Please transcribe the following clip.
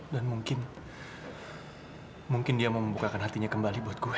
dan mungkin mungkin dia mau membukakan hatinya kembali buat gue